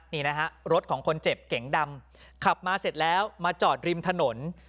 นี่นะฮะรถของคนเจ็บเก๋งดำขับมาเสร็จแล้วมาจอดริมถนน